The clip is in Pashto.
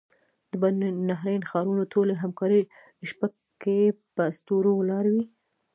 د بین النهرین ښارونو ټولې همکارۍ شبکې په اسطورو ولاړې وې.